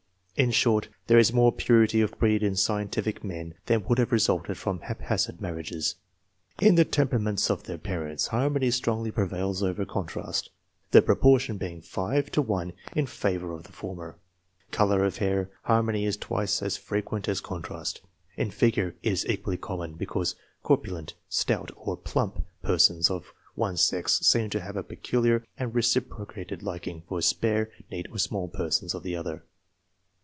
In short, there is more purity of breed in scientific men than would have resulted from haphazard marriages. In the temperaments of their parents, harmony strongly prevails over contrast, the proportion being 5 to 1 in favour of the former. In colour of hair, harmony is twice as jfrequent as contrast. In figure it is equally common, because " corpulent, stout, or plump " persons of one sex seem to have a peculiar and reciprocated liking for "spare, neat, or small" persons of the other.